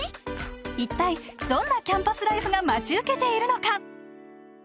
一体どんなキャンパスライフが待ち受けているのか？